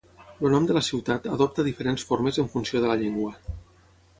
El nom de la ciutat adopta diferents formes en funció de la llengua.